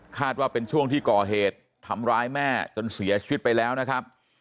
ว่าเป็นช่วงที่ก่อเหตุทำร้ายแม่จนเสียชีวิตไปแล้วนะครับ